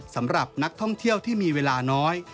สำหรับนักท่องเที่ยวที่มีเวลาน้อย